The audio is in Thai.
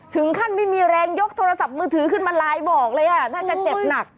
ไม่มีแรงยกโทรศัพท์มือถือขึ้นมาไลน์บอกเลยอ่ะน่าจะเจ็บหนัก